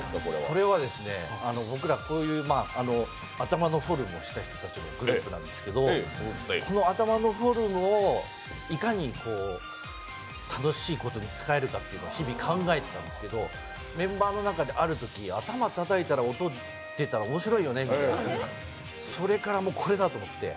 これは、僕らこういう頭のフォルムをした人たちのグループなんですけどこの頭のフォルムをいかに楽しいことに使えるかというのを日々考えていたんですけど、メンバーの中であるとき、音出たら面白いよねみたいなそれからこれだと思って。